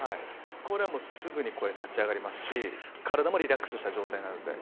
これはもうすぐに声立ち上がりますし体もリラックスした状態になるので。